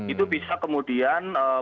itu bisa kemudian menyebut